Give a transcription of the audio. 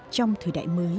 trong thời đại mới